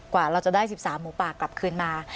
กว่าเราจะได้๑๓หมูป่ากลับคืนมา